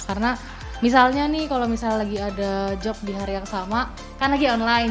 karena misalnya nih kalau misalnya lagi ada job di hari yang sama kan lagi online